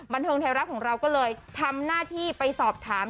บันเทิงไทยรัฐของเราก็เลยทำหน้าที่ไปสอบถาม